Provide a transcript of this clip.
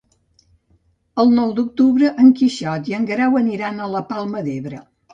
El nou d'octubre en Quixot i en Guerau aniran a la Palma d'Ebre.